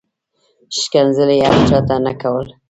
ښکنځل یې هر چاته نه کول.